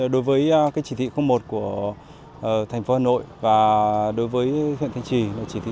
đối với chỉ thị một của thành phố hà nội và đối với huyện thanh trì là chỉ thị bảy